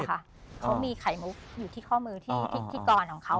เขามีไขมุกอยู่ที่ข้อมือที่กรของเขา